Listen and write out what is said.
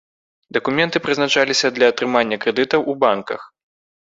Дакументы прызначаліся для атрымання крэдытаў у банках.